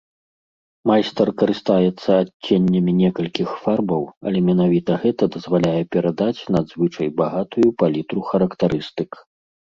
Майстар карыстаецца адценнямі некалькіх фарбаў, але менавіта гэта дазваляе перадаць надзвычай багатую палітру характарыстык.